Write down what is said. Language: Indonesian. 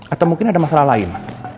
atau mungkin ada masalah lain